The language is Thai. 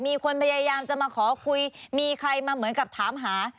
มีคนพยายามจะมาขอคุยมีใครมาเหมือนกับถามหา